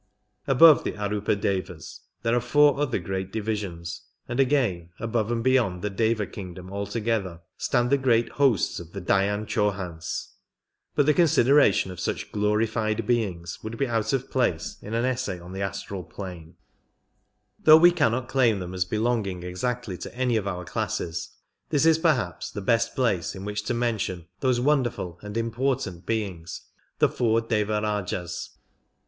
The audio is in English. Above the Ariipadevas there are four other great divisions, and again, above and beyond the Deva kingdom altogether, stand the great hosts of the Dhyan Chohans, but the consideration of such glorified Beings would be out of place in an essay on the astral plane. Though we cannot claim them as belonging exactly to any of our classes, this is perhaps the best place in which to mention those wonderful and important Beings, the four Devarijahs.